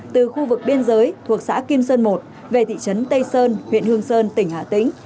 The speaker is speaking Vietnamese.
từ khu vực biên giới thuộc xã kim sơn một về thị trấn tây sơn huyện hương sơn tỉnh hà tĩnh